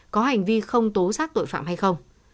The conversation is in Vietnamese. có hành vi không tố xác tội phạm hay không